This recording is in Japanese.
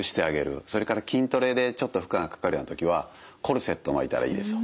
それから筋トレでちょっと負荷がかかるような時はコルセット巻いたらいいですよ。